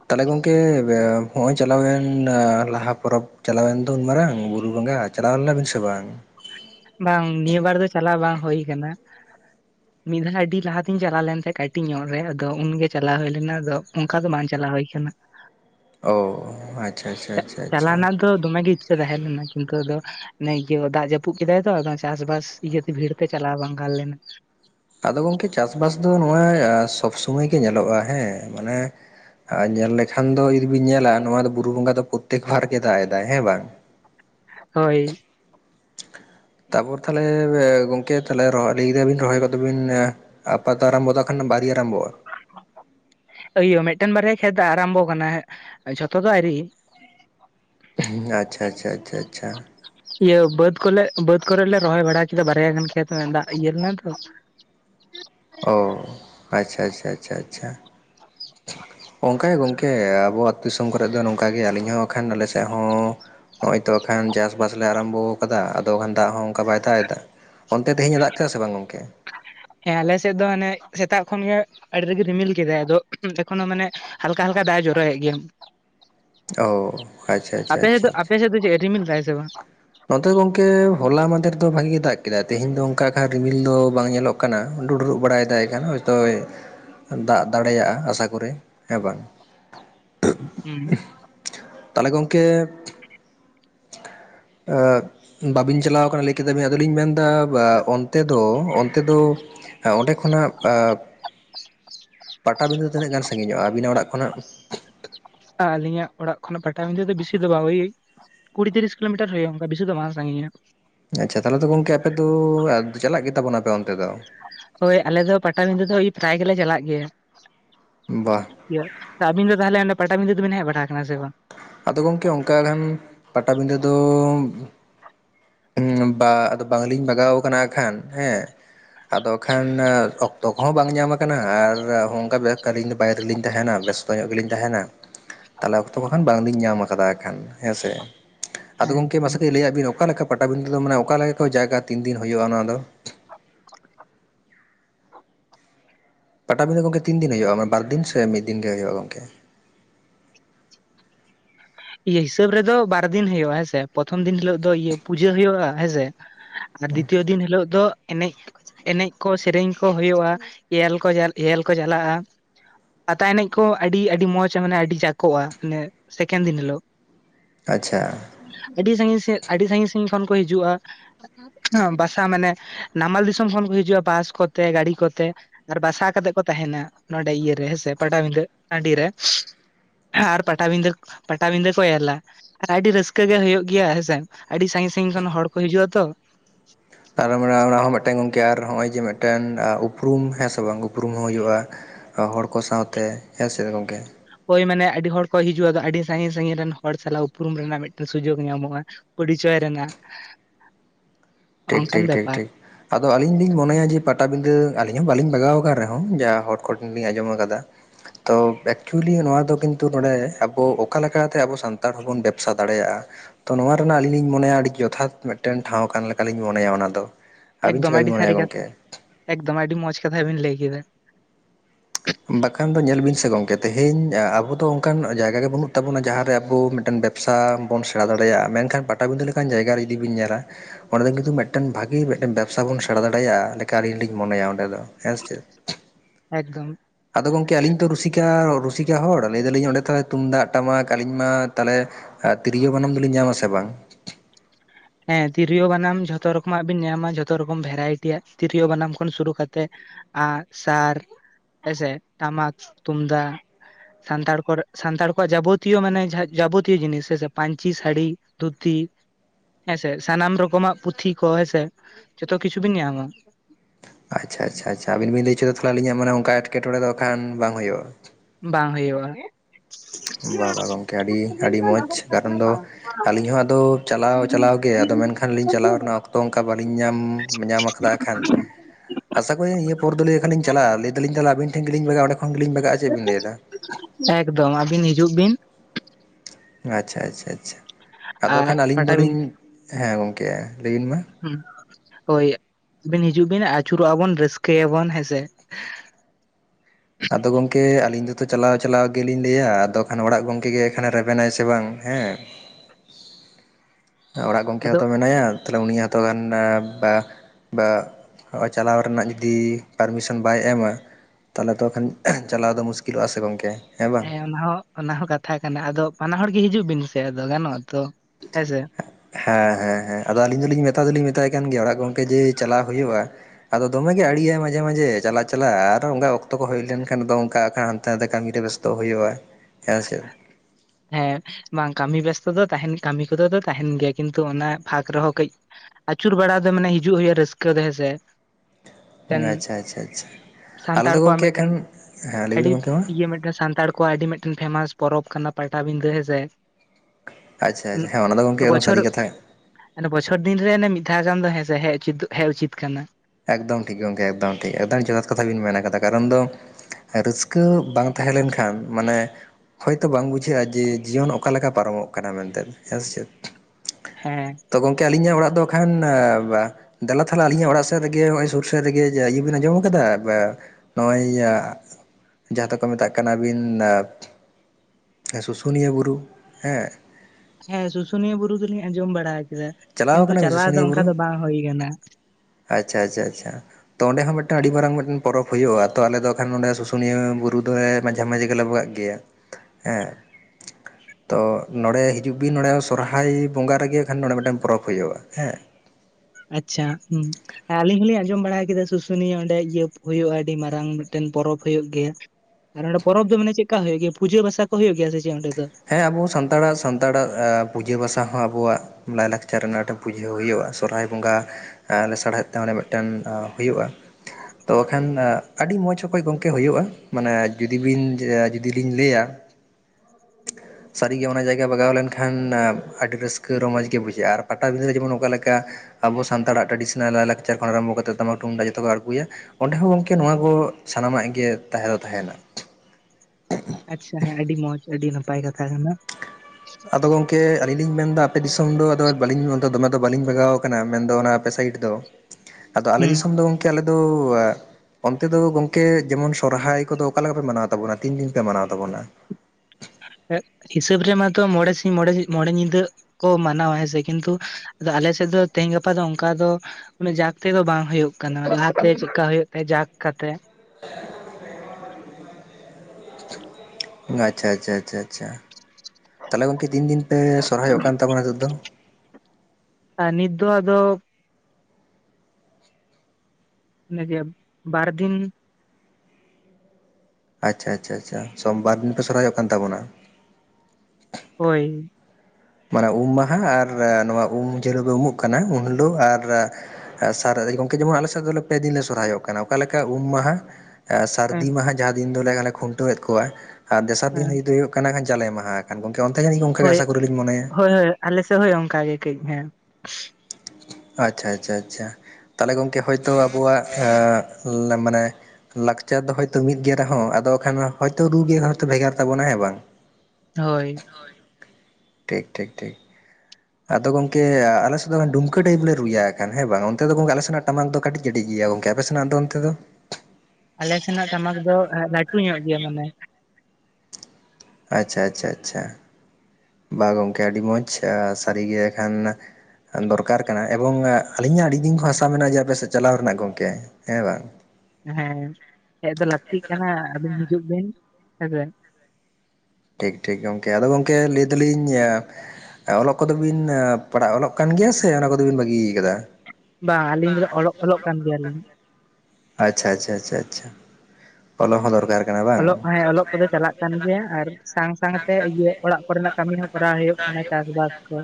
ᱛᱟᱦᱚᱞᱮ ᱜᱚᱝᱠᱮ ᱵᱮ ᱦᱚᱸᱜᱼᱚᱭ ᱪᱟᱞᱟᱣᱮᱱ ᱟ ᱞᱟᱦᱟ ᱯᱚᱨᱚᱵᱽ ᱪᱟᱞᱟᱣᱮᱱ ᱫᱚ ᱩᱱ ᱢᱟᱨᱟᱝ ᱵᱩᱨᱩ ᱵᱚᱸᱜᱟ ᱪᱟᱞᱟᱣ ᱞᱮᱱᱟ ᱵᱤᱱ ᱥᱮ ᱵᱟᱝ? ᱵᱟᱝ, ᱱᱤᱭᱟᱹ ᱵᱟᱨ ᱫᱚ ᱪᱟᱞᱟᱣ ᱵᱟᱝ ᱦᱩᱭ ᱠᱟᱱᱟ᱾ [inaudible] ᱢᱤᱫ ᱫᱷᱟᱣ ᱟᱹᱰᱤ ᱞᱟᱦᱟᱛᱤᱧ ᱪᱟᱞᱟᱣ ᱞᱮᱱ ᱛᱟᱦᱮᱸ ᱠᱟᱹᱴᱤᱡ ᱧᱚᱜ ᱨᱮ ᱟᱫᱚ ᱩᱱᱜᱮ ᱪᱟᱞᱟᱣ ᱦᱩᱭ ᱞᱮᱱᱟ ᱟᱫᱚ ᱚᱱᱠᱟ ᱫᱚ ᱵᱟᱝ ᱪᱟᱞᱟᱣ ᱦᱩᱭ ᱟᱠᱟᱱᱟ᱾ ᱚ ᱟᱪᱪᱷᱟ ᱟᱪᱪᱷᱟ ᱟᱪᱪᱷᱟ ᱪᱟᱞᱟᱣ ᱟᱪᱪᱷᱟ ᱨᱮᱱᱟᱜ ᱫᱚ ᱫᱚᱢᱮ ᱜᱮ ᱤᱪᱪᱷᱟᱹ ᱛᱟᱦᱮᱸ ᱞᱮᱱᱟ᱾ ᱱᱤᱛᱚᱜ ᱫᱚ ᱚᱱᱮ ᱤᱭᱟᱹ ᱫᱟᱜ ᱡᱟᱹᱯᱩᱫ ᱠᱮᱫᱟᱭ ᱛᱚ ᱟᱫᱚ ᱪᱟᱥᱵᱟᱥ ᱤᱭᱟᱹᱛᱮ ᱵᱷᱤᱲ ᱛᱮ ᱪᱟᱞᱟᱣ ᱵᱟᱝ ᱜᱟᱱ ᱞᱮᱱᱟ᱾ ᱟᱫᱚ ᱜᱚᱢᱠᱮ ᱪᱟᱥᱵᱟᱥ ᱫᱚ ᱱᱚᱣᱟ ᱥᱚᱵ ᱥᱚᱢᱚᱭ ᱜᱮ ᱧᱮᱞᱚᱜᱼᱟ ᱦᱮᱸ ᱢᱟᱱᱮ ᱟᱨ ᱧᱮᱞ ᱞᱮᱠᱷᱟᱱ ᱫᱚ ᱡᱩᱫᱤ ᱵᱤᱱ ᱧᱮᱞᱟ ᱱᱚᱣᱟ ᱫᱚ ᱵᱩᱨᱩ ᱵᱚᱸᱜᱟ ᱫᱚ ᱯᱨᱚᱛᱛᱮᱠ ᱵᱟᱨ ᱜᱮ ᱫᱟᱜ ᱮᱫᱟᱭ ᱦᱮᱸ ᱵᱟᱝ᱾ ᱦᱳᱭ ᱛᱟᱯᱚᱨ ᱛᱟᱦᱞᱮ ᱜᱚᱝᱠᱮ ᱛᱟᱦᱞᱮ ᱨᱚᱦᱚ ᱞᱟᱹᱭ ᱠᱮᱫᱟᱵᱤᱱ ᱨᱚᱦᱚᱭ ᱜᱚᱫᱚ ᱵᱤᱱ ᱟᱯᱟᱛᱚ ᱟᱨᱟᱢᱵᱚ ᱫᱚ ᱠᱷᱟᱱ ᱵᱟᱲᱤᱭ ᱟᱨᱟᱢᱵᱚᱜ [unintelligible] ᱟᱭᱳ ᱢᱤᱫᱴᱮᱱ ᱵᱟᱨᱦᱭᱟ ᱠᱷᱮᱛ ᱫᱟ ᱟᱨᱟᱢᱵᱚ ᱠᱟᱱᱟ ᱡᱷᱚᱛᱚ ᱫᱚ ᱟᱹᱣᱨᱤ᱾ [unintelligible] ᱟᱪᱪᱷᱟ ᱟᱪᱪᱷᱟ ᱟᱪᱪᱷᱟ ᱟᱪᱪᱷᱟ ᱤᱭᱟᱹ ᱵᱟᱹᱫᱽ ᱠᱚᱮᱞ ᱵᱟᱹᱫᱽ ᱠᱚᱨᱮᱞ ᱞᱮ ᱨᱚᱦᱚᱭ ᱵᱟᱲᱟ ᱠᱮᱫᱟ ᱵᱟᱨᱭᱟ ᱜᱟᱱ ᱠᱷᱮᱛ ᱫᱟᱜ ᱤᱭᱟᱹ ᱞᱮᱱᱟ ᱛᱚ᱾ ᱚ ᱟᱪᱪᱷᱟ ᱟᱪᱪᱷᱟ ᱟᱪᱪᱷᱟ ᱟᱪᱪᱷᱟ‌ [unintelligible] ᱚᱱᱠᱟ ᱜᱮ ᱜᱚᱝᱠᱮ ᱟᱵᱚ ᱟᱹᱛᱩ ᱫᱤᱥᱚᱢ ᱠᱚᱨᱮᱫ ᱫᱚ ᱱᱚᱝᱠᱟᱜᱮ ᱟᱹᱞᱤᱧ ᱦᱚᱸ ᱟᱠᱷᱟᱱ ᱟᱞᱮ ᱥᱮᱫ ᱦᱚᱸ ᱱᱚᱜ-ᱚᱭ ᱛᱚ ᱮᱠᱷᱟᱱ ᱪᱟᱥᱵᱟᱥ ᱞᱮ ᱟᱨᱟᱢᱵᱷᱚ ᱟᱠᱟᱫᱟ ᱟᱫᱚᱠᱷᱟᱱ ᱫᱟᱜ ᱦᱚᱸ ᱚᱱᱠᱟ ᱵᱟᱭ ᱫᱟᱜ ᱮᱫᱟ᱾ ᱚᱱᱛᱮ ᱛᱮᱦᱮᱸᱧᱮ ᱫᱟᱜ ᱠᱮᱫᱟ ᱥᱮ ᱵᱟᱝ ᱜᱚᱢᱠᱮ? ᱦᱮᱸ ᱟᱞᱮ ᱥᱮᱫ ᱫᱚ ᱦᱟᱱᱮ ᱥᱮᱛᱟᱜ ᱠᱷᱚᱱᱜᱮ ᱟᱹᱰᱤ ᱨᱟᱹᱜᱮ ᱨᱤᱢᱤᱞ ᱠᱮᱫᱟᱭ ᱟᱫᱚ ᱮᱠᱷᱚᱱᱳ ᱢᱟᱱᱮ ᱦᱟᱞᱠᱟ ᱦᱟᱞᱠᱟ ᱫᱟᱜ ᱮ ᱡᱚᱨᱚᱭᱮᱫ ᱜᱮᱭᱟᱢ᱾ ᱚ ᱟᱪᱪᱷᱟ ᱟᱪᱪᱷᱟ ᱟᱪᱪᱷᱟ ᱟᱪᱪᱷᱟ ᱟᱯᱮᱥᱮᱫ ᱪᱮ ᱨᱤᱢᱤᱞ ᱫᱟᱭ ᱥᱮ ᱵᱟᱝ? ᱱᱚᱛᱮ ᱜᱚᱝᱠᱮ ᱦᱚᱞᱟ ᱢᱟᱫᱮᱨ ᱫᱚ ᱵᱷᱟᱜᱤ ᱜᱮ ᱫᱟᱜ ᱠᱮᱫᱟ ᱛᱮᱦᱮᱸᱧ ᱫᱚ ᱚᱱᱠᱟ ᱨᱤᱢᱤᱞ ᱫᱚ ᱵᱟᱝ ᱧᱮᱞᱚᱜ ᱠᱟᱱᱟ ᱰᱩᱰᱨᱩᱜ ᱵᱟᱲᱟᱭ ᱫᱟᱭ ᱠᱷᱟᱱ ᱦᱚᱭᱛᱳᱭ ᱫᱟᱜ ᱫᱟᱲᱮᱭᱟᱜᱼᱟ ᱟᱥᱟ ᱠᱚᱨᱮ ᱦᱮᱸ ᱵᱟᱝ ᱦᱩᱸ ᱛᱟᱦᱚᱞᱮ ᱜᱚᱢᱠᱮ ᱵᱟᱵᱤᱱ ᱪᱟᱞᱟᱣ ᱠᱟᱱᱟ ᱠᱮᱫᱟᱵᱤ ᱟᱫᱚᱞᱤᱧ ᱢᱮᱱ ᱮᱫᱟ ᱚᱱᱛᱮ ᱫᱚ ᱚᱱᱛᱮ ᱫᱚ ᱚᱸᱰᱮ ᱠᱷᱚᱱᱟᱜ ᱯᱟᱴᱟᱵᱤᱱᱫᱟᱹ ᱛᱤᱱᱟᱹᱜ ᱜᱟᱱ ᱥᱟᱺᱜᱤᱧᱚᱜᱼᱟ ᱟᱹᱵᱤᱱᱟᱜ ᱚᱲᱟᱜ ᱠᱷᱚᱱᱟᱜ? ᱟᱹᱞᱤᱧᱟᱜ ᱚᱲᱟᱜ ᱠᱷᱚᱱᱟᱜ ᱯᱟᱴᱟᱵᱤᱱᱫᱟᱹ ᱫᱚ ᱵᱮᱥᱤ ᱫᱚ ᱵᱟᱝ ᱦᱩᱭ ᱠᱩᱲᱤ ᱛᱤᱨᱤᱥ ᱠᱤᱞᱳᱢᱤᱴᱟᱨ ᱦᱩᱭᱩᱜᱼᱟ ᱚᱱᱠᱟ ᱵᱤᱥᱤ ᱫᱚ ᱵᱟᱝ ᱥᱟᱺᱜᱤᱧᱟ ᱟᱪᱷᱟ ᱛᱟᱦᱚᱞᱮ ᱫᱚ ᱜᱚᱝᱠᱮ ᱟᱯᱮ ᱫᱚ ᱪᱟᱞᱟᱜ ᱜᱮ ᱛᱟᱵᱚᱱᱟᱯᱮ ᱚᱱᱛᱮ ᱫᱚ ᱦᱳᱭ ᱟᱞᱮ ᱫᱚ ᱯᱟᱴᱟᱵᱤᱱᱫᱟᱹ ᱫᱚ ᱳᱭ ᱯᱨᱟᱭ ᱜᱮᱞᱮ ᱪᱟᱞᱟᱜ ᱜᱮᱭᱟ ᱵᱟ ᱤᱭᱟᱹ ᱟᱵᱤᱱ ᱫᱚ ᱛᱟᱦᱚᱞᱮ ᱯᱟᱴᱟᱵᱤᱸᱫᱟᱹ ᱫᱚᱵᱤᱱ ᱦᱮᱡ ᱵᱟᱲᱟ ᱟᱠᱟᱱᱟ ᱥᱮ ᱵᱟᱝ? ᱟᱫᱚ ᱜᱚᱢᱠᱮ ᱚᱱᱠᱟ ᱠᱷᱟᱱ ᱯᱟᱴᱟᱵᱤᱫᱟᱹ ᱫᱚ ᱵᱟ ᱟᱫᱚ ᱵᱟᱝᱞᱤᱧ ᱵᱟᱜᱟᱣ ᱟᱠᱟᱱᱟᱜ ᱟᱠᱷᱟᱱ ᱦᱮᱸ᱾ ᱟᱫᱚ ᱠᱷᱟᱱ ᱚᱠᱛᱚ ᱠᱚᱦᱚᱸ ᱵᱟᱝ ᱧᱟᱢ ᱟᱠᱟᱱᱟ ᱟᱨ ᱦᱚᱝᱠᱟ ᱟᱹᱞᱤᱧ ᱫᱚ ᱵᱟᱭᱨᱮ ᱨᱮᱞᱤᱧ ᱛᱟᱦᱮᱱᱟ ᱵᱮᱥ ᱛᱚ ᱜᱮᱞᱤᱧ ᱛᱟᱦᱮᱱᱟ ᱛᱟᱦᱚᱞᱮ ᱚᱠᱛᱚ ᱵᱟᱠᱷᱟᱱ ᱵᱟᱝᱞᱤᱧ ᱧᱟᱢ ᱠᱟᱫᱟ ᱮᱠᱷᱟᱱ ᱦᱮᱸᱥᱮ ᱟᱫᱚ ᱦᱮᱸ ᱜᱚᱝᱠᱮ ᱛᱚ ᱢᱟᱥᱮ ᱠᱟ. ᱡ ᱞᱟᱹᱭᱟᱜ ᱵᱤᱱ ᱚᱠᱟ ᱞᱮᱠᱟ ᱯᱟᱴᱟᱵᱤᱱᱸᱫᱟᱹ ᱫᱚ ᱢᱟᱱᱮ ᱚᱠᱟ ᱞᱮᱠᱟ ᱠᱚ ᱡᱟᱭᱜᱟ ᱛᱤᱱ ᱫᱤᱱ ᱦᱩᱭᱩᱜᱼᱟ ᱚᱱᱟ ᱫᱚ [inaudible] ᱯᱟᱴᱟᱵᱤᱱᱫᱟᱹ ᱜᱚᱢᱠᱮ ᱛᱤᱱ ᱫᱤᱱ ᱦᱩᱭᱩᱜᱼᱟ ᱢᱟᱱᱮ ᱵᱟᱨ ᱫᱤᱱ ᱥᱮ ᱢᱤᱫ ᱫᱤᱱ ᱜᱮ ᱦᱩᱭᱩᱜᱼᱟ ᱜᱚᱢᱠᱮ ᱤᱭᱟᱹ ᱦᱤᱥᱟᱹᱵ ᱨᱮᱫᱚ ᱵᱟᱨ ᱫᱤᱱ ᱦᱩᱭᱩᱜᱭᱩᱜᱼᱟ ᱦᱮᱸᱥᱮ ᱯᱨᱚᱛᱷᱚᱢ ᱫᱤᱱ ᱦᱤᱞᱳᱜ ᱫᱚ ᱤᱭᱟᱹ ᱯᱩᱡᱟᱹ ᱦᱩᱭᱩᱜᱼᱟ ᱦᱮᱸᱥᱮ ᱟᱨ ᱫᱤᱛᱤᱭᱚ ᱫᱤᱱ ᱦᱤᱞᱳᱜ ᱫᱚ ᱮᱱᱮᱡ ᱮᱱᱮᱡ ᱠᱚ ᱥᱮᱨᱮᱧ ᱠᱚ ᱦᱩᱭᱩᱜᱼᱟ ᱧᱮᱞ ᱠᱚ ᱧᱮᱞ ᱠᱚ ᱪᱟᱞᱟᱜᱼᱟ ᱯᱟᱛᱟ ᱮᱱᱮᱡ ᱠᱚ ᱟᱹᱰᱤ ᱟᱹᱰᱤ ᱢᱚᱸᱡᱽ ᱢᱟᱱᱮ ᱟᱹᱰᱤ ᱡᱟᱠᱚᱜᱼᱟ ᱢᱟᱱᱮ ᱥᱮᱠᱮᱱ ᱫᱤᱱ ᱦᱮᱞᱳ ᱟᱪᱪᱷᱟ ᱟᱹᱰᱤ ᱥᱟᱺᱜᱤᱧ ᱥᱮ ᱟᱹᱰᱤ ᱥᱟᱺᱜᱤᱧ ᱥᱟᱺᱜᱤᱧ ᱠᱷᱚᱱ ᱠᱚ ᱦᱤᱡᱩᱜᱼᱟ ᱦᱮᱸ ᱵᱟᱥᱟ ᱢᱟᱱᱮ ᱱᱟᱢᱟᱞ ᱫᱤᱥᱚᱢ ᱠᱷᱚᱱ ᱠᱚ ᱦᱤᱡᱩᱜᱼᱟ ᱵᱟᱥ ᱠᱚᱛᱮ ᱜᱟᱹᱲᱤ ᱠᱚᱛᱮ ᱟᱨ ᱵᱟᱥᱟ ᱠᱟᱛᱮᱫ ᱠᱚ ᱛᱟᱦᱮᱱᱟ ᱱᱚᱸᱰᱮ ᱤᱭᱟᱹᱨᱮ ᱦᱮᱸᱥᱮ ᱯᱟᱴᱟᱵᱤᱱᱫᱟᱹ ᱴᱟᱺᱰᱤ ᱨᱮ ᱟᱨ ᱯᱴᱟᱵᱤᱱᱫᱟᱹ ᱯᱟᱴᱟᱵᱤᱱᱫᱟᱹ ᱠᱚᱮᱨᱞᱟ ᱟᱨ ᱟᱹᱰᱤ ᱨᱟᱹᱥᱠᱟᱹ ᱜᱮ ᱦᱩᱭᱩᱜ ᱜᱮᱭᱟ ᱦᱮᱸᱥᱮ ᱟᱹᱰᱤ ᱥᱟᱺᱜᱤᱧ ᱥᱟᱺᱜᱤᱧ ᱠᱷᱚᱱ ᱦᱚᱲ ᱠᱚ ᱦᱤᱡᱩᱜᱼᱟ ᱛᱚ ᱟᱨᱦᱚᱸ ᱢᱟᱱᱮ ᱚᱱᱟ ᱦᱚᱸ ᱢᱤᱫᱴᱮᱱ ᱜᱚᱢᱠᱮ ᱟᱨ ᱱᱚᱜᱼᱚᱭ ᱡᱮ ᱢᱤᱫᱴᱟᱝ ᱩᱯᱨᱩᱢ ᱦᱮᱸ ᱥᱮ ᱵᱟᱝ ᱩᱯᱨᱩᱢ ᱦᱚᱸ ᱦᱩᱭᱩᱜᱼᱟ ᱦᱚᱲ ᱠᱚ ᱥᱟᱶᱛᱮ ᱦᱮᱸ ᱥᱮ ᱜᱚᱝᱠᱮ ᱦᱳᱭ ᱢᱟᱱᱮ ᱟᱹᱰᱤ ᱦᱚᱲ ᱠᱚ ᱦᱤᱡᱩᱜᱼᱟ ᱟᱫᱚ ᱟᱹᱰᱤ ᱥᱟᱺᱜᱤᱧ ᱥᱟᱺᱜᱤᱧ ᱨᱮᱱ ᱦᱚᱲ ᱥᱟᱞᱟᱜ ᱩᱯᱨᱩᱢ ᱨᱮᱱᱟᱜ ᱢᱤᱫᱴᱮᱱ ᱥᱩᱡᱳᱜᱽ ᱧᱟᱢᱚᱜᱼᱟ ᱯᱲᱤᱪᱚᱭ ᱨᱮᱱᱟᱜ ᱴᱷᱤᱠ ᱚᱱᱠᱟᱱ ᱴᱷᱤᱠ ᱴᱷᱤᱠ ᱵᱮᱯᱟᱨ ᱴᱷᱤᱠ ᱟᱫᱚ ᱟᱹᱞᱤᱧ ᱞᱤᱧ ᱢᱚᱱᱮᱭᱟ ᱡᱮ ᱯᱟᱴᱟᱵᱤᱸᱫᱟᱹ ᱟᱹᱞᱤᱧ ᱦᱚᱸ ᱵᱟᱹᱞᱤᱧ ᱵᱟᱜᱟᱣ ᱟᱠᱟᱱ ᱨᱮᱦᱚᱸ ᱡᱟ ᱦᱚᱲ ᱠᱚᱴᱷᱮᱱ ᱞᱤᱧ ᱟᱸᱡᱚᱢ ᱟᱠᱟᱫᱟ ᱛᱚ ᱮᱠᱪᱩᱭᱮᱞᱤ ᱱᱚᱣᱟ ᱫᱚ ᱠᱤᱱᱛᱩ ᱱᱚᱰᱮ ᱟᱵᱚ ᱚᱠᱟ ᱞᱮᱠᱟᱛᱮ ᱟᱵᱚ ᱥᱟᱱᱛᱟᱲ ᱦᱚᱸ ᱵᱚᱱ ᱵᱮᱵᱽᱥᱟ ᱫᱟᱲᱮᱭᱟᱜᱼᱟ ᱛᱚ ᱱᱚᱣᱟ ᱨᱮᱱᱟᱜ ᱟᱹᱞᱤᱧ ᱞᱤᱧ ᱢᱚᱱᱮᱭᱟ ᱟᱹᱰᱤ ᱡᱚᱛᱷᱟᱛ ᱢᱤᱫᱴᱮᱱ ᱴᱷᱟᱶ ᱠᱟᱱ ᱞᱮᱠᱟᱞᱤᱧ ᱢᱚᱱᱮᱭᱟ ᱚᱱᱟ ᱫᱚ ᱟᱹᱵᱤᱱ ᱮᱠᱫᱚᱢ ᱪᱮᱠᱟ ᱟᱹᱰᱤ ᱵᱤᱱ ᱢᱚᱱᱮᱭᱟ ᱥᱟᱹᱨᱤ ᱠᱟᱛᱷᱟ, ᱜᱚᱢᱠᱮ? ᱮᱠᱫᱚᱢ ᱟᱹᱰᱤ ᱢᱚᱸᱡᱽ ᱠᱟᱛᱷᱟ ᱵᱤᱱ ᱞᱟᱹᱭ ᱠᱮᱫᱟ ᱵᱟᱠᱷᱟᱱ ᱫᱚ ᱧᱮᱞ ᱵᱤᱱ ᱥᱮ ᱜᱚᱢᱠᱮ ᱛᱮᱦᱮᱧ ᱟᱵᱚ ᱫᱚ ᱚᱱᱠᱟᱱ ᱡᱟᱭᱜᱟ ᱜᱮ ᱵᱟᱹᱱᱩᱜ ᱛᱟᱵᱚᱱᱟ ᱡᱟᱦᱟᱸᱨᱮ ᱟᱵᱚ ᱢᱤᱫᱴᱮᱱ ᱵᱮ ᱵᱮᱵᱽᱥᱟ ᱵᱚᱱ ᱥᱮᱬᱟ ᱫᱟᱲᱮᱭᱟᱜᱼᱟ ᱢᱮᱱᱠᱷᱟᱱ ᱯᱟᱴᱟᱵᱤᱱᱫᱟᱹ ᱞᱮᱠᱟᱱ ᱡᱟᱭᱜᱟ ᱨᱮ ᱡᱩᱫᱤ ᱵᱤᱱ ᱧᱮᱞᱟ ᱚᱸᱰᱮ ᱫᱚ ᱠᱤᱱᱛᱩ ᱢᱤᱫᱴᱮᱱ ᱵᱷᱟᱹᱜᱤ ᱢᱤᱫᱴᱮᱱ ᱵᱮᱵᱽᱥᱟ ᱵᱚᱱ ᱥᱮᱬᱟ ᱫᱟᱲᱮᱭᱟᱜᱼᱟ ᱞᱮᱠᱟ ᱟᱹᱞᱤᱧ ᱞᱤᱧ ᱢᱚᱱᱮᱭᱟ ᱚᱸᱰᱮ ᱫᱚ ᱦᱮᱸ ᱪᱮ ᱮᱠᱫᱚᱢ ᱟᱫᱚ ᱜᱚᱝᱠᱮ ᱟᱞᱤᱧ ᱛᱚ ᱨᱩᱥᱤᱠᱟ ᱨᱩᱥᱤᱠᱟ ᱦᱚᱲ ᱞᱟᱹᱭ ᱫᱟᱞᱤᱧ ᱚᱸᱰᱮ ᱛᱚ ᱛᱩᱢᱫᱟᱜ ᱴᱟᱢᱟᱠ ᱟᱞᱤᱧ ᱢᱟ ᱛᱟᱦᱮᱞᱮ ᱟᱨ ᱛᱤᱨᱭᱳ ᱵᱟᱱᱟᱢ ᱫᱚᱞᱤᱧ ᱧᱟᱢ ᱟᱥᱮ ᱵᱟᱝ ᱦᱮᱸ ᱛᱤᱨᱭᱳ ᱵᱟᱱᱟᱢ ᱡᱷᱚᱛᱚ ᱨᱚᱠᱚᱢᱟᱜ ᱵᱤᱱ ᱧᱟᱢᱟ ᱡᱷᱚᱛᱚ ᱨᱚᱠᱚᱢ ᱵᱷᱮᱨᱟᱭᱴᱤᱭᱟᱜ ᱛᱤᱨᱭᱳ ᱵᱟᱱᱟᱢ ᱠᱷᱚᱱ ᱥᱩᱨᱩ ᱠᱟᱛᱮᱫ ᱟᱜ ᱼᱥᱟᱨ ᱦᱮᱸᱥᱮ ᱴᱟᱢᱟᱠ ᱛᱩᱢᱫᱟᱜ ᱥᱟᱱᱛᱟᱲ ᱠᱚ ᱥᱟᱱᱛᱟᱲ ᱠᱚᱣᱟᱜ ᱡᱟᱵᱚᱛᱤᱭᱚ ᱢᱟᱱᱮ ᱡᱟᱵᱚᱛᱤᱭᱚ ᱡᱤᱱᱤᱥ ᱦᱮᱸ ᱥᱮ ᱯᱟᱹᱧᱪᱤ ᱥᱟᱹᱲᱤ ᱫᱷᱩᱛᱤ ᱦᱮᱸᱥᱮ ᱥᱟᱱᱟᱢ ᱨᱚᱠᱚᱢᱟᱜ ᱯᱩᱛᱷᱤ ᱠᱚ ᱦᱮᱸᱥᱮ ᱡᱚᱛᱚ ᱠᱤᱪᱷᱩ ᱵᱤᱱ ᱧᱟᱢᱟ ᱟᱪᱪᱷᱟ ᱟᱪᱪᱷᱟ ᱟᱪᱪᱷᱟ ᱟᱵᱤᱱ ᱵᱤᱱ ᱞᱟᱹᱭ ᱚᱪᱚᱭᱮᱫᱟ ᱛᱟᱦᱚᱞᱮ ᱟᱹᱞᱤᱧᱟᱜ ᱢᱟᱱᱮ ᱚᱱᱠᱟ ᱮᱴᱠᱮᱴᱚᱬᱮ ᱫᱚᱠᱷᱟᱱ ᱵᱟᱝ ᱦᱩᱭᱩᱜᱼᱟ ᱵᱟᱝ ᱦᱩᱭᱩᱜᱼᱟ ᱵᱟᱵᱟ ᱜᱚᱢᱠᱮ ᱟᱹᱰᱤ ᱟᱹᱰᱤ ᱢᱚᱡᱽ ᱠᱟᱨᱚᱱ ᱫᱚ ᱟᱹᱞᱤᱧ ᱦᱚᱸ ᱟᱫᱚ ᱪᱟᱞᱟᱣ ᱪᱟᱞᱟᱣ ᱜᱮ ᱟᱫᱚ ᱢᱮᱱᱠᱷᱟᱱᱞᱤᱧ ᱪᱟᱞᱟᱣ ᱨᱮᱱᱟᱜ ᱚᱠᱛᱚ ᱚᱱᱠᱟ ᱵᱟᱹᱞᱤᱧ ᱧᱟᱢ ᱧᱟᱢ ᱟᱠᱟᱫᱟ ᱟᱠᱷᱟᱱ ᱾ ᱟᱥᱟ ᱠᱚᱭᱧ ᱱᱤᱭᱟᱹ ᱯᱚᱨ ᱫᱚ ᱞᱟᱹᱭ ᱷᱦᱤᱱ ᱪᱟᱞᱟᱜ ᱞᱟᱹᱭ ᱮᱫᱟᱞᱤᱧ ᱟᱹᱵᱮᱱ ᱴᱷᱮᱱ ᱜᱮᱞᱤᱧ ᱵᱟᱜᱟ-ᱟ ᱚᱱᱰᱮ ᱠᱷᱚᱱ ᱜᱮᱞᱤᱧ ᱵᱟᱜᱟ-ᱟ ᱪᱮᱫ ᱵᱤᱱ ᱞᱟᱹᱭ ᱮᱫᱟ? ᱮᱠᱫᱚᱢ ᱟᱹᱵᱤᱱ ᱦᱤᱡᱩᱜ ᱵᱤᱱ᱾ ᱟᱪᱷᱟ ᱪᱷᱟ ᱪᱷᱟ ᱟᱫᱚ ᱟᱨ ᱠᱷᱟᱱ ᱟᱹᱞᱤᱧ ᱯᱟᱴᱟᱵᱤᱱ ᱫᱚᱞᱤᱧ ᱦᱮᱸ ᱜᱚᱝᱠᱮ ᱞᱟᱹᱭᱵᱤᱱ ᱢᱟ ᱾ ᱦᱩᱸ ᱦᱳᱭ ᱟᱹᱵᱤᱱ ᱦᱤᱡᱩᱜ ᱵᱤᱱ ᱟᱹᱪᱩᱨᱚᱜ ᱟᱵᱚᱱ ᱨᱟᱹᱥᱠᱟᱹᱭᱟᱵᱚᱱ ᱦᱮᱸᱥᱮ᱾ ᱟᱫᱚ ᱜᱚᱝᱠᱮ ᱟᱹᱞᱤᱧ ᱫᱚᱛᱚ ᱪᱟᱞᱟᱣ ᱪᱟᱞᱟᱣ ᱜᱮᱞᱤᱧ ᱞᱟᱹᱭᱟ ᱟᱫᱚ ᱠᱷᱟᱱ ᱚᱲᱟᱜ ᱜᱚᱝᱠᱮ ᱜᱮ ᱮᱠᱷᱟᱱᱮ ᱨᱮᱵᱮᱱᱟᱭ ᱥᱮ ᱵᱟᱝ ᱦᱮᱸ ᱾ ᱚᱲᱟᱜ ᱜᱚᱢᱠᱮ ᱟᱫᱚ ᱦᱚᱸᱛᱚ ᱢᱮᱱᱟᱭᱟ ᱛᱟᱦᱞᱮ ᱩᱱᱤ ᱦᱚᱸᱛᱚ ᱜᱟᱱ ᱵᱟ ᱵᱟ, ᱱᱚᱜᱼᱚᱭ ᱪᱟᱞᱟᱣ ᱨᱮᱱᱟᱜ ᱡᱩᱫᱤ ᱯᱟᱨᱢᱤᱥᱚᱱ ᱵᱟᱭ ᱮᱢᱟ, ᱛᱟᱦᱚᱞᱮ ᱛᱚᱠᱷᱟᱱ ᱪᱟᱞᱟᱣ ᱫᱚ ᱢᱩᱥᱠᱤᱞᱚᱜᱼᱟ ᱥᱮ ᱜᱚᱝᱠᱮ ᱦᱮᱸ ᱵᱟᱝ? ᱦᱮᱸ ᱚᱱᱟ ᱦᱚᱸ ᱚᱱᱟ ᱦᱚᱸ ᱠᱟᱛᱷᱟ ᱠᱟᱱᱟ ᱟᱫᱚ ᱵᱟᱱᱟ ᱦᱚᱲ ᱜᱮ ᱦᱤᱡᱩᱜ ᱵᱤᱱ ᱥᱮ ᱟᱫᱚ ᱜᱟᱱᱚᱜ ᱟ ᱛᱚ ᱦᱮᱸᱥᱮ ᱾ ᱦᱮᱸ ᱦᱮᱸ ᱦᱮᱸ ᱟᱫᱚ ᱟᱹᱞᱤᱧ ᱫᱚᱞᱤᱧ ᱢᱮᱛᱟ ᱫᱚᱞᱤᱧ ᱢᱮᱛᱟᱭ ᱠᱟᱱ ᱜᱮᱭᱟ ᱚᱲᱟᱜ ᱜᱚᱝᱠᱮ ᱡᱮ ᱪᱟᱞᱟᱣ ᱦᱩᱭᱩᱜᱼᱟ ᱾ ᱟᱫᱚ ᱫᱚᱢᱮᱜᱮ ᱟᱲᱮᱟᱭ ᱢᱟᱡᱷᱮ ᱢᱟᱡᱷᱮ ᱪᱟᱞᱟᱜ ᱪᱟᱞᱟᱜ ᱟᱨ ᱚᱝᱠᱟ ᱚᱠᱛᱚ ᱠᱚ ᱦᱩᱭ ᱞᱮᱱᱠᱷᱟᱱ ᱫᱚ ᱚᱱᱠᱟ ᱦᱟᱱᱛᱮ ᱱᱟᱛᱮ ᱠᱟᱹᱢᱤ ᱨᱮ ᱵᱮᱥ ᱛᱚ ᱦᱩᱭᱩᱜᱼᱟ ᱦᱮᱸ ᱥᱮ ᱾ ᱦᱮᱸ ᱵᱟᱝ ᱠᱟᱹᱢᱤ ᱵᱮᱥᱛᱮᱫᱚ ᱛᱟᱦᱮᱱ ᱠᱟᱹᱢᱤ ᱠᱚᱫᱚ ᱫᱚ ᱛᱟᱦᱮᱱ ᱜᱮᱭᱟ ᱠᱤᱱᱛᱩ ᱚᱱᱟ ᱵᱷᱟᱠ ᱨᱮᱦᱚᱸ ᱠᱟᱹᱡ ᱟᱹᱪᱩᱨ ᱵᱟᱲᱟ ᱫᱚ ᱢᱟᱱᱮ ᱦᱤᱡᱩᱜ ᱦᱩᱭᱩᱜᱼᱟ ᱨᱟᱹᱥᱠᱟᱹ ᱫᱚ ᱦᱮᱸ ᱥᱮ ᱾ ᱟᱪᱪᱷᱟ ᱟᱪᱪᱷᱟ ᱟᱪᱪᱷᱟ ᱟᱞᱮ ᱥᱟᱱᱛᱟᱲ ᱫᱚ ᱠᱚᱣᱟᱜ ᱜᱚᱢᱠᱮ ᱢᱤᱫᱴᱮᱱ ᱮᱠᱷᱟᱱ ᱦᱮᱸ ᱞᱟᱹᱭ ᱟᱹᱰᱤ ᱵᱤᱱ ᱜᱚᱢᱠᱮ ᱢᱟ ᱤᱭᱟᱹ ᱢᱤᱫᱴᱮᱱ ᱥᱟᱱᱛᱟᱲ ᱠᱚᱣᱟᱜ ᱟᱹᱰᱤ ᱢᱤᱫᱴ ᱴᱮᱱ ᱯᱷᱮᱢᱟᱥ ᱯᱚᱨᱚᱵᱽ ᱠᱟᱱᱟ ᱯᱟᱴᱟᱵᱤᱸᱫᱟᱹ ᱦᱮᱸᱥᱮ᱾ ᱟᱪᱷᱟ ᱟᱪᱷᱟ ᱦᱮᱸ ᱚᱱᱟ ᱫᱚ ᱜᱚᱢᱠᱮ ᱮᱠᱫᱚᱢ ᱥᱟᱹᱨᱤ ᱠᱟᱛᱷᱟ ᱾ ᱢᱟᱱᱮ ᱵᱚᱪᱷᱚᱨ ᱫᱤᱱ ᱨᱮ ᱢᱤᱫ ᱫᱷᱟᱣ ᱜᱟᱱ ᱫᱚ ᱦᱮᱸᱥᱮ ᱦᱮᱡ ᱩᱪᱤᱛᱩ ᱦᱮᱡ ᱩᱪᱤᱛ ᱠᱟᱱᱟ ᱾ ᱮᱠᱫᱚᱢ ᱴᱷᱤᱠ ᱜᱚᱝᱠᱮ ᱮᱠᱫᱚᱢ ᱴᱷᱤᱠ ᱮᱠᱫᱚᱢ ᱡᱚᱛᱷᱟᱛᱷᱟ ᱵᱤᱱ ᱢᱮᱱ ᱠᱟᱫᱟ ᱠᱟᱨᱚᱱ ᱫᱚ ᱨᱟᱹᱥᱠᱟᱹ ᱵᱟᱝ ᱛᱟᱦᱮᱸ ᱞᱮᱱᱠᱷᱟᱱ ᱢᱟᱱᱮ ᱦᱳᱭᱛᱚ ᱵᱟᱝ ᱵᱩᱡᱷᱟᱹᱜᱼᱟ ᱡᱮ ᱡᱤᱭᱚᱱ ᱚᱠᱟ ᱞᱮᱠᱟ ᱯᱟᱨᱚᱢᱚᱜ ᱠᱟᱱᱟ ᱢᱮᱱᱛᱮᱫ, ᱦᱮᱸ ᱥᱮ ᱪᱮᱫ? ᱦᱮᱸ ᱛᱚ ᱜᱚᱝᱠᱮ ᱟᱹᱞᱤᱧᱟᱜ ᱚᱲᱟᱜ ᱫᱚ ᱮᱠᱷᱟᱱ ᱵᱟ ᱫᱮᱞᱟ ᱛᱦᱟᱞᱮ ᱟᱞᱤᱧᱟᱜ ᱚᱲᱟᱜ ᱥ ᱨᱮᱜᱮ ᱱᱚᱜᱼᱚᱭ ᱥᱩᱨ ᱥᱮᱫ ᱨᱮᱜᱮ ᱤᱭᱟᱹ ᱵᱮᱤᱱ ᱟᱸᱡᱚᱢ ᱠᱟᱫᱟ ᱵᱟ ᱱᱚᱜᱼᱚᱭᱟ᱾ ᱡᱟᱦᱟᱸ ᱫᱚᱠᱚ ᱢᱮᱛᱟᱜ ᱠᱟᱱᱟᱵᱤᱱ ᱥᱩᱥᱩᱱᱤᱭᱟᱹ ᱵᱩᱨᱩ ᱦᱮᱸ᱾ ᱦᱮᱸ ᱥᱩᱥᱩᱱᱤᱭᱟᱹ ᱵᱩᱨᱩ ᱫᱚᱞᱤᱧ ᱟᱸᱡᱚᱢ ᱵᱟᱲᱟ ᱠᱮᱫᱟ ᱠᱤᱱᱛᱩ ᱠᱟᱱᱟ ᱵᱤᱱ ᱪᱟᱞᱟᱣ ᱫᱚ ᱚᱝᱠᱟ ᱫᱚ ᱵᱟᱝ ᱦᱩᱭ ᱟᱠᱟᱱᱟ᱾ ᱟᱪᱷᱟ ᱪᱷᱟ ᱪᱷᱟ ᱛᱚ ᱚᱸᱰᱮ ᱦᱚᱸ ᱢᱤᱫᱴᱮᱱ ᱟᱹᱰᱤ ᱢᱟᱨᱟᱝ ᱢᱤᱫᱴᱟᱝ ᱯᱚᱨᱚᱵᱽ ᱦᱩᱭᱩᱜᱼᱟ, ᱛᱚ ᱟᱞᱮ ᱮᱠᱷᱟᱱ ᱱᱚᱰᱮ ᱥᱩᱥᱩᱱᱤᱭᱟᱹ ᱵᱩᱨᱩ ᱫᱚ ᱢᱟᱡᱷᱮ ᱢᱟᱡᱷᱮ ᱜᱮᱞᱮ ᱵᱟᱜᱟᱜᱼᱟ᱾ ᱜᱮᱭᱟ ᱦᱮᱸ ᱛᱚ ᱱᱚᱸᱰᱮ ᱦᱤᱡᱩᱜ ᱵᱤᱱ ᱱᱚᱸᱰᱮ ᱥᱚᱨᱦᱟᱭ ᱵᱚᱸᱜᱟ ᱨᱮᱜᱮ ᱠᱷᱟᱱ ᱱᱚᱸᱰᱮ ᱢᱤᱫᱴᱮᱱ ᱯᱚᱨᱚᱵᱽ ᱦᱩᱭᱩᱜᱼᱟ ᱦᱮᱸ᱾ ᱟᱪᱷᱟ ᱩᱸ᱾ ᱟᱞᱤᱧ ᱦᱚᱞᱤᱧ ᱟᱸᱡᱚᱢ ᱵᱟᱲᱟ ᱠᱮᱫᱟ ᱥᱩᱥᱩᱱᱤᱭᱟᱹ ᱚᱸᱰᱮ ᱤᱭᱟᱹ ᱦᱩᱭᱩᱜᱼᱟ ᱟᱹᱰᱤ ᱢᱟᱨᱟᱝ ᱢᱤᱫᱴᱮᱱ ᱯᱚᱨᱚᱵᱽ ᱦᱩᱭᱩᱜ ᱜᱮᱭᱟ᱾ ᱟᱨ ᱚᱸᱰᱮ ᱯᱚᱨᱚᱵ ᱫᱚ ᱢᱟᱱᱮ ᱪᱮᱜᱽᱠᱟ ᱦᱩᱭᱩᱜ ᱜᱮᱭᱟ ᱯᱩᱡᱟᱹ ᱵᱟᱥᱟ ᱠᱚ ᱦᱩᱭᱩᱜ ᱜᱮᱭᱟ ᱥᱮ ᱪᱮᱫ ᱚᱸᱰᱮ ᱫᱚ? ᱦᱮᱸ ᱟᱵᱚ ᱥᱟᱱᱛᱟᱲᱟᱜ ᱥᱟᱱᱛᱟᱲᱟᱜ ᱯᱩᱡᱟᱹ ᱵᱟᱥᱟ ᱦᱚᱸ ᱟᱵᱚᱣᱟᱜ ᱞᱟᱭᱼᱞᱟᱠᱪᱟᱨ ᱨᱮᱱᱟᱜᱴᱮᱱ ᱯᱩᱡᱷᱟᱹᱣ ᱦᱩᱭᱩᱜᱼᱟ ᱥᱚᱦᱚᱨᱟᱭ ᱵᱚᱸᱜᱟ ᱞᱟᱥᱟᱲᱦᱮᱫ ᱛᱮ ᱢᱤᱫᱴᱮᱱ ᱦᱩᱭᱩᱜᱼᱟ᱾ ᱛᱚ ᱠᱷᱟᱱ ᱟᱹᱰᱤ ᱢᱚᱡᱽ ᱚᱠᱚᱭ ᱜᱚᱢᱠᱮ ᱦᱩᱭᱩᱜᱼᱟ ᱢᱟᱱᱮ ᱡᱩᱫᱤ ᱵᱤᱱ ᱡᱩᱫᱤ ᱞᱤᱧ ᱞᱟᱹᱭᱟ᱾ [inaudible] ᱥᱟᱹᱨᱤᱜᱮ ᱚᱱᱟ ᱡᱟᱭᱜᱟ ᱵᱟᱜᱟᱣ ᱞᱮᱱᱠᱷᱟᱱ ᱟᱹᱰᱤ ᱨᱟᱹᱥᱠᱟᱹ ᱨᱚᱢᱚᱡᱽᱜ ᱜᱮ ᱵᱩᱡᱷᱟᱹᱜᱼᱟ, ᱟᱨ ᱯᱟᱴᱟᱵᱤᱫᱟᱹ ᱨᱮ ᱡᱮᱢᱚᱱ ᱚᱠᱟ ᱞᱮᱠᱟ ᱟᱵᱚ ᱥᱟᱱᱛᱟᱲᱟᱜ ᱴᱨᱟᱰᱤᱥᱱᱚᱞ ᱞᱟᱭ ᱞᱟᱠᱪᱟᱨ ᱠᱷᱚᱱ ᱟᱨᱟᱢᱵᱷᱚ ᱠᱟᱛᱮ ᱴᱟᱢᱟᱠ ᱛᱩᱢᱫᱟᱜ ᱡᱷᱚᱛᱚ ᱠᱚ ᱟᱹᱜᱩᱭᱟ, ᱚᱸᱰᱮ ᱦᱚᱸ ᱜᱚᱢᱠᱮ ᱱᱚᱣᱟ ᱠᱚ ᱥᱟᱱᱟᱢᱟᱜ ᱜᱮ ᱛᱟᱦᱮᱸ ᱫᱚ ᱛᱟᱦᱮᱱᱟ᱾ ᱟᱪᱷᱟ ᱦᱮᱸ ᱟᱹᱰᱤ ᱢᱚᱸᱡᱽ ᱟᱹᱰᱤ ᱱᱟᱯᱟᱭ ᱠᱟᱛᱷᱟ ᱠᱟᱱᱟ᱾ ᱟᱫᱚ ᱜᱚᱝᱠᱮ ᱟᱞᱤᱧ ᱞᱤᱧ ᱢᱮᱱ ᱮᱫᱟ ᱟᱯᱮ ᱫᱤᱥᱚᱢ ᱫᱚ ᱟᱫᱚ [unintelligible] ᱫᱚᱢᱮ ᱫᱚ ᱵᱟᱹᱞᱤᱧ ᱵᱟᱜᱟᱣ ᱟᱠᱟᱱᱟ ᱢᱮᱱᱫᱚ ᱚᱱᱟ, ᱥᱟᱭᱤᱰ ᱫᱚ ᱟᱫᱚ ᱟᱞᱮ ᱦᱩᱸ ᱫᱤᱥᱚᱢ ᱫᱚ ᱜᱚᱝᱠᱮ ᱟᱞᱮ ᱫᱚ ᱚᱱᱛᱮ ᱫᱚ ᱜᱚᱝᱠᱮ ᱡᱮᱢᱚᱱ ᱥᱚᱨᱦᱟᱭ ᱠᱚᱫᱚ ᱚᱠᱟ ᱞᱮᱠᱟ ᱯᱮ ᱢᱟᱱᱟᱣ ᱛᱟᱵᱚᱱᱟ, ᱛᱤᱱ ᱫᱤᱱ ᱯᱮ ᱢᱟᱱᱟᱣ ᱛᱟᱵᱚᱱᱟ? ᱮᱸᱜ ᱦᱤᱥᱟᱹᱵ ᱨᱮᱢᱟ ᱛᱚ ᱢᱚᱬᱮ ᱥᱤᱧ ᱢᱚᱬᱮᱥ ᱢᱚᱬᱮ ᱧᱤᱫᱟᱹ ᱠᱚ ᱢᱟᱱᱟᱣᱟ ᱦᱮᱸᱥᱮ ᱠᱤᱱᱛᱩ ᱟᱫᱚ ᱟᱞᱮ ᱥᱮᱫ ᱫᱚ ᱛᱮᱦᱮᱧ ᱜᱟᱯᱟ ᱫᱚ ᱚᱱᱠᱟ ᱫᱚ ᱚᱱᱮ ᱡᱟᱠ ᱛᱮᱫᱚ ᱵᱟᱝ ᱦᱳᱭᱳᱜ ᱠᱟᱱᱟ ᱞᱟᱦᱟᱛᱮ ᱪᱮᱠᱟ ᱦᱩᱭᱩᱜ ᱛᱟᱦᱮᱱ ᱡᱟᱠ ᱠᱟᱛᱮᱜ, ᱟᱪᱪᱷᱟ ᱟᱪᱪᱷᱟ ᱟᱪᱷᱟ ᱟᱪᱷᱟ, ᱛᱟᱦᱚᱞᱮ ᱜᱚᱝᱠᱮ ᱛᱤᱱ ᱫᱤᱱ ᱯᱮ ᱥᱚᱨᱦᱟᱭᱚᱜ ᱠᱟᱱ ᱛᱟᱵᱚᱱᱟ ᱱᱤᱛᱚᱜ ᱫᱚ? ᱟᱨ ᱱᱤᱛ ᱫᱚ ᱟᱫᱚ ᱚᱱᱮᱡᱮ ᱵᱟᱨ ᱫᱤᱱ ᱟᱪᱪᱷᱟ ᱟᱪᱪᱷᱟ ᱥᱚᱢᱵᱟᱨ ᱫᱤᱱ ᱯᱮ ᱥᱚᱨᱦᱟᱭᱚᱜ ᱠᱟᱱ ᱛᱟᱵᱚᱱᱟ? ᱦᱳᱭ ᱢᱟᱱᱮ ᱩᱢ ᱢᱟᱦᱟᱸ ᱟᱨ ᱱᱚᱣᱟ ᱩᱢ ᱡᱮᱦᱤᱞᱳᱜ ᱩᱢᱩᱜ ᱠᱟᱱᱟ ᱩᱱ ᱦᱤᱞᱳᱜ ᱟᱨ ᱥᱟᱨ ᱜᱚᱝᱠᱮ ᱡᱮᱢᱚᱱ ᱟᱞᱮ ᱥᱮᱫ ᱫᱚ ᱯᱮ ᱫᱤᱱ ᱞᱮ ᱥᱚᱨᱦᱟᱭᱚᱜ ᱠᱟᱱᱟ ᱚᱠᱟ ᱞᱮᱠᱟ ᱩᱢ ᱢᱟᱦᱟᱸ, ᱦᱮᱸ ᱥᱟᱹᱨᱫᱤ ᱢᱟᱦᱟᱸ ᱡᱟᱦᱟᱸ ᱫᱤᱱ ᱫᱚᱞᱮ ᱠᱷᱩᱱᱴᱟᱹᱣᱮᱫ ᱠᱚᱣᱟ ᱟᱨ ᱫᱚᱥᱟᱨ ᱫᱤᱱ ᱦᱮᱸ ᱫᱚ ᱦᱩᱭᱩᱜ ᱠᱟᱱᱟ ᱡᱟᱞᱮ ᱢᱟᱦᱟ᱾ ᱟᱨ ᱜᱚᱢᱠᱮ ᱚᱱᱛᱮ ᱡᱟᱹᱱᱤᱡ ᱚᱱᱠᱟ ᱜᱮ ᱦᱳᱭ ᱟᱥᱟ ᱠᱚᱨᱮᱞᱤᱧ ᱢᱚᱱᱮᱭᱟ, ᱦᱳᱭ ᱦᱳᱭ ᱟᱞᱮ ᱥᱮᱫ ᱦᱳᱭ ᱚᱱᱠᱟᱜ ᱜᱮ ᱠᱟᱹᱡ ᱦᱮᱸ᱾ ᱟᱪᱪᱷᱟ ᱟᱪᱪᱷᱟ ᱟᱪᱪᱷᱟ ᱛᱟᱦᱞᱮ ᱜᱚᱢᱠᱮ ᱦᱚᱭᱛᱳ ᱟᱵᱚᱣᱟᱜ ᱟᱹᱜ ᱢᱟᱱᱮ, ᱞᱟᱠᱪᱟᱨ ᱫᱚ ᱦᱚᱭᱛᱳ ᱢᱤᱫ ᱜᱮ ᱨᱮᱦᱚᱸ, ᱟᱫᱚ ᱵᱟᱠᱷᱟᱱ ᱦᱚᱭᱛᱚ ᱨᱩᱜ ᱜᱮᱭ ᱵᱷᱮᱜᱟᱨ ᱛᱟᱵᱚᱱᱟ ᱦᱮᱸ ᱵᱟᱝ? ᱦᱳᱭ ᱴᱷᱤᱠ ᱴᱷᱤᱠ ᱴᱷᱤᱠ ᱟᱫᱚ ᱜᱚᱝᱠᱮ ᱟᱞᱮ ᱥᱮᱫ ᱫᱚ ᱰᱩᱢᱠᱟᱹ ᱴᱟᱭᱤᱯ ᱞᱮ ᱨᱩᱭᱟ ᱦᱟᱸᱜᱠᱷᱟᱱ ᱦᱮᱸ ᱵᱟᱝ ᱚᱱᱛᱮ ᱫᱚ ᱜᱚᱝᱠᱮ ᱟᱞᱮᱥᱮᱱᱟᱜ ᱴᱟᱢᱟᱠ ᱫᱚ ᱠᱟᱹᱴᱤᱡ, ᱠᱟᱹᱴᱤᱡ ᱜᱮᱭᱟ ᱜᱚᱝᱠᱮ ᱟᱯᱮ ᱥᱮᱱᱟᱜ ᱫᱚ ᱚᱱ ᱛᱮᱫᱚ? ᱟᱞᱮ ᱥᱮᱱᱟᱜ ᱴᱟᱢᱟᱠ ᱫᱚ ᱞᱟᱹᱴᱩ ᱧᱚᱜ ᱜᱮᱭᱟ ᱢᱟᱱᱮ ᱟᱪᱪᱷᱟ ᱟᱪᱪᱷᱟ ᱟᱪᱪᱷᱟ ᱵᱟᱝ ᱜᱚᱢᱠᱮ ᱟᱹᱰᱤ ᱢᱚᱡᱽ ᱥᱟᱹᱨᱤᱜᱮ ᱮᱠᱷᱟᱱ ᱫᱚᱨᱠᱟᱨ ᱠᱟᱱᱟ ᱮᱵᱚᱝ ᱟᱹᱞᱤᱧᱟᱜ ᱟᱹᱰᱤ ᱫᱤᱱ ᱠᱚ ᱟᱥᱟ ᱢᱮᱱᱟᱜᱼᱟ ᱡᱮ ᱟᱯᱮ ᱥᱮᱫ ᱪᱟᱞᱟᱣ ᱨᱮᱱᱟᱜ ᱜᱚᱢᱠᱮ, ᱦᱮᱸ ᱵᱟᱝ? ᱦᱮᱸ ᱦᱮᱡ ᱫᱚ ᱞᱟᱹᱠᱛᱤᱜ ᱠᱟᱱᱟ, ᱟᱹᱵᱤᱱ ᱦᱤᱡᱩᱜ ᱵᱤᱱ ᱦᱮᱸᱥᱮ᱾ ᱴᱷᱤᱠ ᱴᱷᱤᱠ ᱜᱚᱢᱠᱮ ᱟᱫᱚ ᱜᱚᱢᱠᱮ ᱞᱟᱹᱭ ᱫᱟᱞᱤᱧ ᱚᱞᱚᱜ ᱠᱚᱫᱚ ᱵᱤᱱ ᱯᱟᱲᱦᱟᱜ ᱚᱞᱚᱜ ᱠᱟᱱ ᱜᱮᱭᱟ ᱥᱮ ᱚᱱᱟ ᱠᱚᱫᱚ ᱵᱤᱱ ᱵᱟᱹᱜᱤ ᱟᱠᱟᱫᱟ? ᱵᱟᱝ ᱟᱹᱞᱤᱧ ᱫᱚᱞᱤᱧ ᱚᱞᱚᱜ ᱚᱞᱚᱜ ᱠᱟᱱ ᱜᱮᱭᱟᱞᱤᱧ᱾ ᱟᱪᱪᱷᱟ ᱟᱪᱪᱷᱟ ᱟᱪᱪᱷᱟ ᱟᱪᱪᱷᱟ, ᱚᱞᱚᱜ ᱦᱚᱸ ᱫᱚᱨᱠᱟᱨ ᱠᱟᱱᱟ᱾ ᱚᱞᱚᱜ ᱵᱟᱝ ᱦᱮᱸ ᱚᱞᱚᱜ ᱠᱚᱫᱚ ᱪᱟᱞᱟᱜ ᱠᱟᱱ ᱜᱮᱭᱟ, ᱟᱨ ᱥᱟᱶ ᱥᱟᱶᱛᱮ ᱤᱭᱟᱹ ᱚᱲᱟᱜ ᱠᱚᱨᱮᱱᱟᱜ ᱠᱟᱹᱢᱤ ᱦᱚᱸ ᱠᱚᱨᱟᱣ ᱦᱩᱭᱩᱜ ᱠᱟᱱᱟ ᱪᱟᱥᱵᱟᱥ ᱠᱚ᱾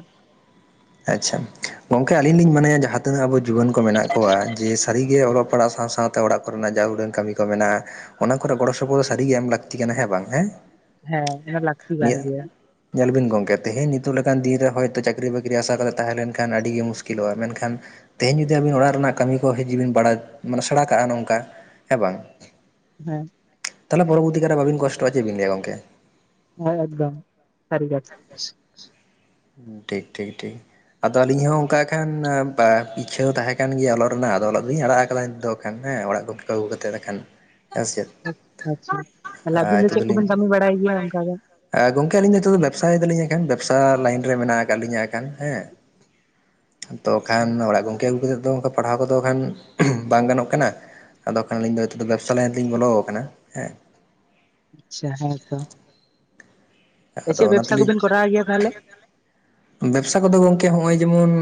ᱟᱪᱪᱷᱟ, ᱜᱚᱝᱠᱮ ᱟᱹᱞᱤᱧ ᱞᱤᱧ ᱢᱚᱱᱮᱭᱟ ᱡᱟᱦᱟᱸᱛᱤᱱᱟᱹᱜ ᱟᱵᱚ ᱡᱩᱣᱟᱹᱱ ᱠᱚ ᱢᱮᱱᱟᱜ ᱠᱚᱣᱟ ᱡᱮᱹ ᱥᱟᱹᱨᱤᱜᱮ ᱚᱞᱚᱜ ᱯᱟᱲᱦᱟᱜ ᱥᱟᱶ ᱥᱟᱶᱛᱮ ᱚᱲᱟᱜ ᱠᱚᱨᱮᱱᱟᱜ ᱡᱟ ᱩᱰᱟᱹᱝ ᱠᱟᱹᱢᱤ ᱠᱚ ᱢᱮᱱᱟᱜᱼᱟ ᱚᱱᱟ ᱠᱚᱨᱮᱱᱟᱜ ᱜᱚᱲᱚ ᱥᱚᱯᱚᱦᱚᱫ ᱥᱟᱹᱨᱤᱜᱮ ᱮᱢ ᱞᱟᱹᱠᱛᱤ ᱠᱟᱱᱟ ᱦᱮᱸ ᱵᱟᱝ ᱦᱮᱸ ᱦᱮᱸ ᱚᱱᱟ ᱞᱟᱹᱠᱛᱤ ᱜᱟᱱ ᱱᱤᱭᱟᱹ ᱜᱮᱭᱟ ᱧᱮᱞ ᱵᱤᱱ ᱜᱚᱢᱠᱮ ᱛᱮᱦᱤᱧ ᱱᱤᱛᱚᱜ ᱞᱮᱠᱟᱱ ᱫᱤᱱ ᱨᱮ ᱦᱚᱭᱛᱳ ᱪᱟᱹᱠᱨᱤ ᱵᱟᱹᱠᱨᱤ ᱟᱥᱟ ᱠᱟᱛᱮᱫ ᱛᱟᱦᱮᱸ ᱞᱮᱱᱠᱷᱟᱱ ᱟᱹᱰᱤᱜᱮ ᱢᱩᱥᱠᱤᱞᱚᱜᱼᱟ ᱢᱮᱱᱠᱷᱟᱱ ᱛᱮᱦᱤᱧ ᱡᱩᱫᱤ ᱟᱹᱵᱤᱱ ᱚᱲᱟᱜ ᱨᱮᱱᱟᱜ ᱠᱟᱹᱢᱤ ᱠᱚ ᱦᱤᱡᱩᱜ ᱵᱤᱱ ᱵᱟᱲᱟᱭ ᱢᱟᱱᱮ ᱥᱮᱸᱲᱟ ᱠᱟᱜᱼᱟ ᱱᱚᱝᱠᱟ ᱦᱮᱸ ᱵᱟᱝ ᱦᱮᱸ ᱛᱟᱦᱚᱞᱮ ᱯᱚᱨᱚᱵᱚᱨᱛᱤ ᱠᱟᱞᱮ ᱵᱟᱵᱤᱱ ᱠᱚᱥᱴᱚᱟ ᱪᱮ ᱵᱤᱱ ᱞᱟᱹᱭ ᱟ ᱜᱚᱝᱠᱮ ᱦᱮᱸ ᱮᱠᱫᱚᱢ ᱥᱟᱹᱨᱤ ᱠᱟᱛᱷᱟ ᱦᱩᱸ ᱴᱷᱤᱠ ᱴᱷᱤᱠ ᱴᱷᱤᱠ ᱟᱫᱚ ᱟᱹᱞᱤᱧ ᱦᱚᱸ ᱚᱱᱠᱟ ᱠᱷᱟᱱ ᱤᱪᱪᱷᱟᱹ ᱫᱚ ᱛᱟᱦᱮᱸ ᱠᱟᱱ ᱜᱮᱭᱟ ᱚᱞᱚᱜ ᱨᱮᱱᱟᱜ ᱟᱫᱚ ᱚᱞᱚᱜ ᱫᱚᱞᱤᱧ ᱟᱲᱟᱜ ᱟᱠᱟᱫᱟ ᱱᱤᱛ ᱫᱚ ᱠᱷᱟᱱ ᱦᱮᱸ ᱚᱲᱟᱜ ᱜᱚᱢᱠᱮ ᱠᱚ ᱟᱹᱜᱩ ᱠᱟᱛᱮᱫ ᱮᱠᱷᱟᱱ ᱦᱮᱸ ᱥᱮ ᱪᱮᱫ ᱟᱪᱟ ᱟᱪᱪᱷᱟ ᱛᱟᱦᱞᱮ ᱟᱹᱵᱤᱱ ᱫᱚ ᱪᱮᱫ ᱠᱚᱵᱤᱱ ᱠᱟᱹᱢᱤ ᱵᱟᱲᱟᱭ ᱜᱮᱭᱟ ᱚᱱᱠᱟ ᱫᱚ ᱜᱚᱝᱠᱮ ᱟᱹᱞᱤᱧ ᱱᱤᱛᱚᱜ ᱫᱚ ᱵᱮᱵᱽᱥᱟᱭᱮᱫᱟᱞᱤᱧ ᱦᱟᱸᱜ ᱠᱷᱟᱱ ᱵᱮᱵᱽᱥᱟ ᱞᱟᱹᱭᱤᱱ ᱨᱮ ᱢᱮᱱᱟᱜ ᱟᱠᱟᱫ ᱞᱤᱧᱟᱹ ᱮᱠᱷᱟᱱ ᱦᱮᱸ ᱛᱚ ᱠᱷᱟᱱ ᱚᱲᱟᱜ ᱜᱚᱝᱠᱮ ᱟᱹᱜᱩ ᱠᱟᱛᱮᱫ ᱫᱚ ᱯᱟᱲᱦᱟᱣ ᱠᱚᱫᱚ ᱠᱷᱟᱱ ᱵᱟᱝ ᱜᱟᱱᱚᱜ ᱠᱟᱱᱟ ᱟᱫᱚ ᱵᱟᱠᱷᱟᱱ ᱟᱹᱞᱤᱧ ᱫᱚ ᱱᱤᱛᱚᱜ ᱫᱚ ᱵᱮᱵᱽᱥᱟ ᱞᱟᱭᱤᱱ ᱛᱮᱞᱤᱧ ᱵᱚᱞᱚ ᱟᱠᱟᱱᱟ ᱦᱮᱸ ᱟᱪᱪᱷᱟ ᱦᱮᱸ ᱛᱚ ᱟᱫᱚ ᱚᱱᱟᱛᱮ ᱞᱤᱝ ᱪᱮᱫ ᱠᱚᱵᱮᱱ ᱵᱮᱵᱽᱥᱟ ᱠᱚᱨᱟᱣ ᱠᱚᱵᱤᱱ ᱜᱮᱭᱟ ᱠᱚᱨᱟᱶ ᱛᱟᱦᱚᱞᱮ ᱜᱤᱭᱟ ᱟᱵᱤᱱ ᱫᱚ? ᱵᱮᱵᱽᱥᱟ ᱠᱚᱫᱚ ᱜᱚᱝᱠᱮ ᱦᱚᱸᱜᱼᱚᱭ ᱡᱮᱢᱚᱱ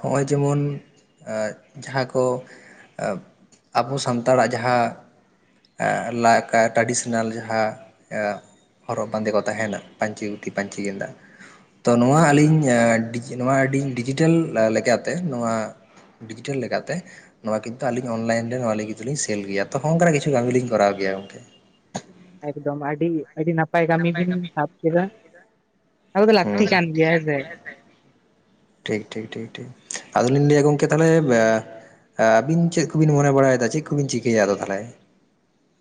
ᱦᱚᱸᱜᱼᱚᱭ ᱡᱮᱢᱚᱱ ᱡᱟᱦᱟᱸ ᱠᱚ ᱟᱵᱚ ᱥᱟᱱᱛᱟᱲᱟᱜ ᱡᱟᱦᱟᱸ ᱟ ᱞᱟ ᱠᱟ ᱴᱨᱟᱰᱤᱥᱚᱱᱟᱞ ᱡᱟᱦᱟᱸ ᱦᱚᱨᱚᱜ ᱵᱟᱸᱫᱮ ᱠᱚ ᱛᱟᱦᱮᱱᱟ᱾ ᱯᱟᱸᱪᱤ ᱫᱩᱛᱤ ᱯᱟᱧᱪᱤ ᱜᱮᱸᱫᱟ ᱛᱚ ᱱᱚᱣᱟ ᱟᱹᱞᱤᱧ ᱮᱸ ᱰᱤᱡᱤ ᱱᱚᱣᱟ ᱰᱤᱡᱤ ᱟ ᱰᱤᱡᱤ ᱰᱤᱡᱤᱴᱟᱞ ᱞᱮᱠᱟᱛᱮ ᱱᱚᱣᱟ ᱰᱤᱡᱤᱴᱟᱞ ᱞᱮᱠᱟᱛᱮ ᱱᱚᱣᱟ ᱠᱤᱱᱛᱩ ᱟᱹᱞᱤᱧ ᱚᱱᱞᱟᱭᱤᱱ ᱨᱮ ᱱᱚᱣᱟ ᱞᱟᱹᱜᱤᱫ ᱟᱞᱤᱧ ᱥᱮᱞ ᱜᱮᱭᱟ ᱛᱚ ᱦᱚᱝ ᱠᱟᱱᱟ ᱠᱟᱹᱢᱤ ᱞᱤᱧ ᱠᱚᱨᱟᱣ ᱜᱮᱭᱟ ᱜᱚᱝᱠᱮ ᱮᱠᱫᱚᱢ ᱟᱹᱰᱤ ᱟᱹᱰᱤ ᱱᱟᱯ ᱱᱟᱯᱟᱭ ᱠᱟᱹᱢᱤ ᱵᱤᱱ ᱥᱟᱵ ᱠᱮᱫᱟ ᱟᱫᱚ ᱱᱚᱣᱟ ᱞᱟᱹᱠᱛᱤ ᱫᱚ ᱠᱟᱱ ᱜᱮᱭᱟ ᱦᱮᱸᱥᱮ ᱦᱮᱸ ᱥᱮ ᱴᱷᱤᱠ ᱴᱷᱤᱠ ᱴᱷᱤᱠ ᱴᱷᱤᱠ ᱟᱫᱚᱞᱤᱧ ᱞᱟᱹᱭᱟ ᱜᱚᱝᱠᱮ ᱛᱟᱦᱚᱞᱮ ᱟᱻ ᱟᱹᱵᱤᱱ ᱪᱮᱫ ᱠᱚᱵᱤᱱ ᱢᱚᱱᱮ ᱵᱟᱲᱟᱭᱮᱫᱟ? ᱪᱮᱫ ᱠᱚᱵᱤᱱ ᱪᱤᱠᱟᱹᱭᱟ ᱟᱫᱚ ᱛᱟᱦᱚᱞᱮ?